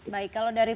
baik kalau dari